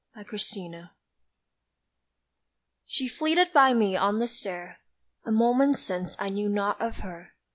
The Meeting SHE flitted by me on the stair A moment since I knew not of her.